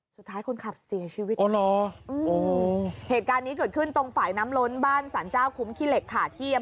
สุดท้ายคนขับเสียชีวิตอ๋อเหรอเหตุการณ์นี้เกิดขึ้นตรงฝ่ายน้ำล้นบ้านสรรเจ้าคุ้มขี้เหล็กขาเทียม